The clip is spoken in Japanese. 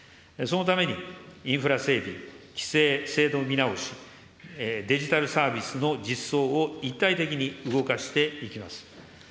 そのために、インフラ整備、規制、制度見直し、デジタルサービスの実装を一体的に動かしていきます。